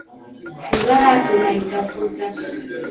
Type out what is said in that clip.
Furaha tunaitafuta